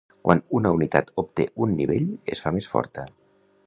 Quan una unitat obté un nivell, es fa més forta.